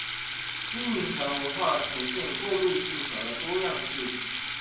居民和文化呈現過渡性和多樣性